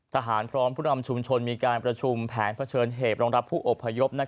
พร้อมผู้นำชุมชนมีการประชุมแผนเผชิญเหตุรองรับผู้อบพยพ